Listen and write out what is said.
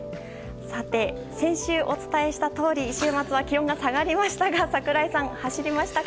さて、先週お伝えしたとおり週末は気温が下がりましたが櫻井さん、走りましたか？